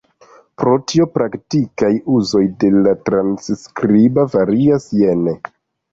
Pro tio, praktikaj uzoj de la transskribo varias jene.